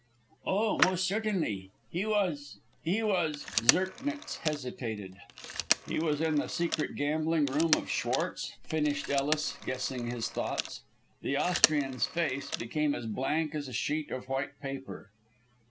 "Oh, most certainly! He was he was " Zirknitz hesitated. "He was in the secret gambling room of Schwartz," finished Ellis, guessing his thoughts. The Austrian's face became as blank as a sheet of white paper.